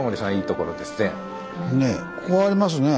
ここありますね。